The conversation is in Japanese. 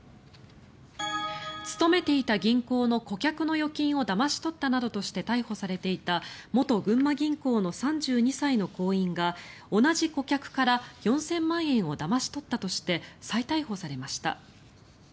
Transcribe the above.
勤めていた銀行の顧客の預金をだまし取ったなどとして逮捕されていた元群馬銀行の３２歳の行員が同じ顧客から４０００万円をだまし取ったとして再逮捕されました。